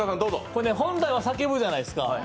これ本来は叫ぶじゃないですか。